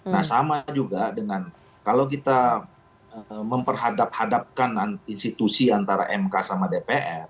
nah sama juga dengan kalau kita memperhadap hadapkan institusi antara mk sama dpr